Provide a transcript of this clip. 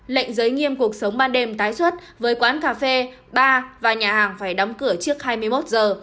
lệnh giới nghiêm cuộc sống ban đêm tái xuất với quán cà phê ba và nhà hàng phải đóng cửa trước hai mươi một giờ